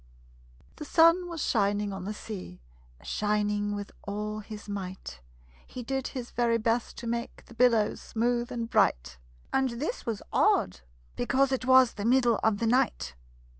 The sun was shining on the sea, Shining with all his might; He did his very best to make The billows smooth and bright And this was odd, because it was The middle of the night.